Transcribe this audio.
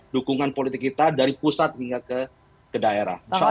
dukungan politik kita dari pusat hingga ke daerah